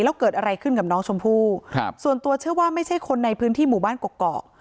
แล้วเกิดอะไรขึ้นกับน้องชมพู่ครับส่วนตัวเชื่อว่าไม่ใช่คนในพื้นที่หมู่บ้านกกอก